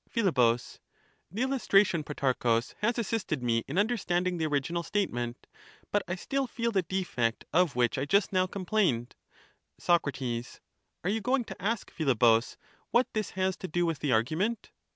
Phi, The illustration, Protarchus, has assisted me in under standing the original statement, but I still feel the defect of which I just now complained, Soc, Are you going to ask, Philebus, what this has to do with the argument